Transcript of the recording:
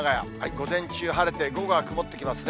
午前中晴れて、午後は曇ってきますね。